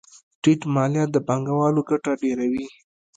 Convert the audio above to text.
ټیټ مالیات د پانګوالو ګټه ډېروي.